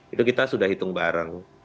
itu kita sudah hitung bareng